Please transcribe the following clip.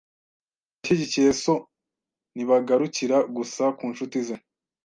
Abashyigikiye so ntibagarukira gusa ku nshuti ze.